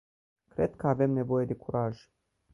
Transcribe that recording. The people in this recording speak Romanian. Cred că avem nevoie de curaj.